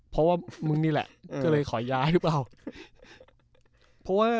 เพราะว่ามึงนี่แหละก็เลยขอย้ายหรือเปล่า